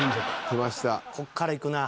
こっからいくな。